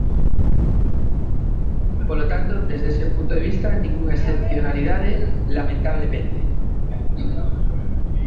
Polo tanto, desde ese punto de vista, ningunha excepcionalidade lamentablemente.